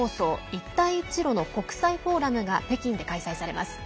一帯一路の国際フォーラムが北京で開催されます。